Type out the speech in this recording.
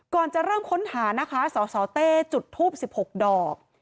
ก่อนจะเริ่มค้นหานะคะสสเต้จุดทูป๑๖ดอก